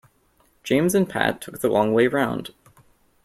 James and Pat took the long way round.